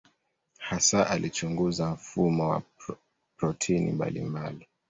Hasa alichunguza mfumo wa protini mbalimbali.